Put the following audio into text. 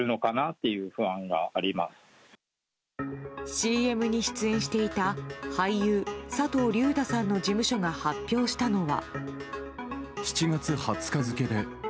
ＣＭに出演していた俳優・佐藤隆太さんの事務所が発表したのは。